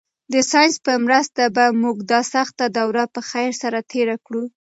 د ساینس په مرسته به موږ دا سخته دوره په خیر سره تېره کړو.